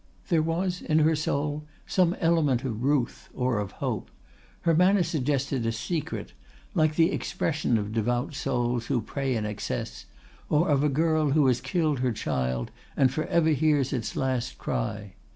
There was in her soul some element of ruth or of hope; her manner suggested a secret, like the expression of devout souls who pray in excess, or of a girl who has killed her child and for ever hears its last cry.